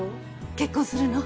結婚するの？